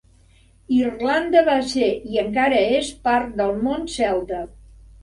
Irlanda va ser i encara és part del món celta.